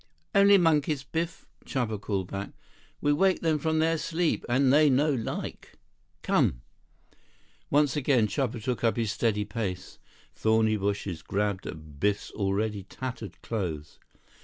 "Only monkeys, Biff," Chuba called back. "We wake them from their sleep, and they no like. Come." Once again Chuba took up his steady pace. Thorny bushes grabbed at Biff's already tattered clothes.